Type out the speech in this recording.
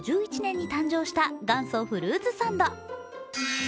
昭和５１年に誕生した元祖フルーツサンド。